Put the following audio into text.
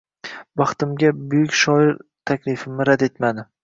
Baxtimga, buyuk shoir taklifimni rad etmadi